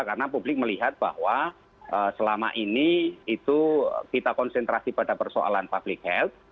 karena publik melihat bahwa selama ini kita konsentrasi pada persoalan public health